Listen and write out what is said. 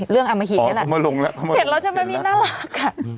เรื่องอามหิตนี่แหละอ๋อเขามาลงแล้วเห็นแล้วใช่ไหมมีน่ารักอ่ะ